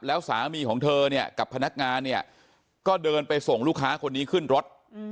แล้วสามีของเธอเนี่ยกับพนักงานเนี่ยก็เดินไปส่งลูกค้าคนนี้ขึ้นรถ